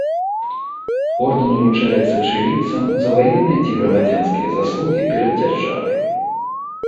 Ордэн уручаецца чылійцам за ваенныя ці грамадзянскія заслугі перад дзяржавай.